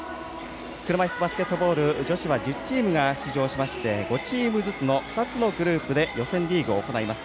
車いすバスケットボール女子は１０チーム出場しまして５チームずつ２つのグループで予選リーグを行います。